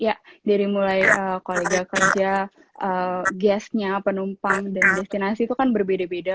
ya dari mulai kolega kerja gasnya penumpang dan destinasi itu kan berbeda beda